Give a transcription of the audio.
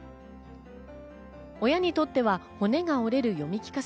親にとっては骨が折れる読み聞かせ。